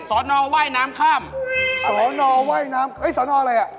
สอนอว่ายน้ำข้ามสอนอว่ายน้ำเอ้ยสอนออะไรอ่ะ